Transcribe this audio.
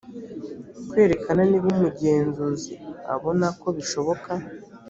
kwerekana niba umugenzuzi abonako bishoboka.